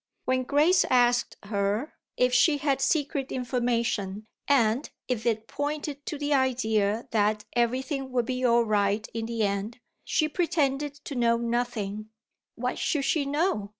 When Grace asked her if she had secret information and if it pointed to the idea that everything would be all right in the end, she pretended to know nothing What should she know?